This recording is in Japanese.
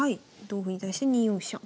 同歩に対して２四飛車。